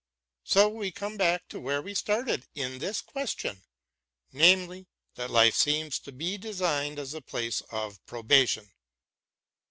So we come back to where we started in this question, namely, that life seems to be designed as a place BROWNING AND MONTAIGNE 223 of probation.